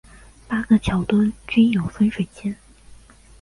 八个桥墩均有分水尖。